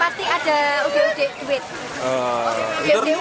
setiap sadranan pasti ada udeg udeg duit